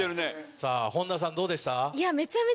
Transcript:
さぁ本田さんどうでした？